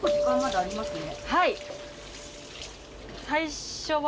はい。